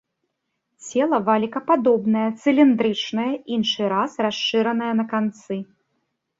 Цела валікападобнае, цыліндрычнае, іншы раз расшыранае на канцы.